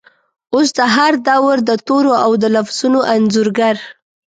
اوس د هردور دتورو ،اودلفظونو انځورګر،